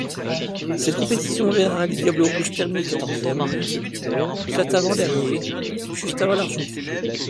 Cette compétition verra les diables rouges terminer quatorzièmes, soit avant-derniers, juste devant l'Argentine.